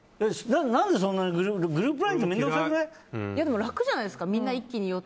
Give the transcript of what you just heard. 何でそんなにグループＬＩＮＥってでも楽じゃないですか。